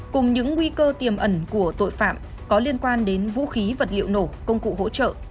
cùng những nguy cơ tiềm ẩn của tội phạm có liên quan đến vũ khí vật liệu nổ công cụ hỗ trợ